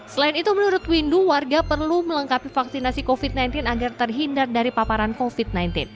selain itu menurut windu warga perlu melengkapi vaksinasi covid sembilan belas agar terhindar dari paparan covid sembilan belas